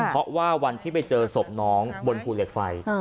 เพราะว่าวันที่ไปเจอศพน้องบนภูเหล็กไฟ